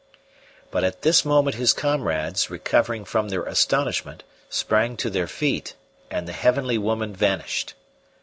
But at this moment his comrades, recovering from their astonishment, sprang to their feet, and the heavenly woman vanished.